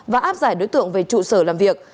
và áp giải đối tượng về trụ sở làm việc